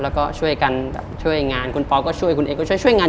แล้วก็ช่วยกันช่วยงานคุณปอลก็ช่วยคุณเอกก็ช่วยช่วยงาน